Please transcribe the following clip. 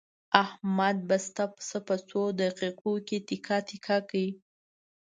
احمد بسته پسه په څو دقیقو کې تکه تکه کړ.